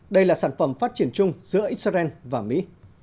đây là sản phẩm phát triển chung giữa israel và mỹ